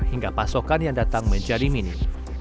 hingga pasokan yang datang menjadi minim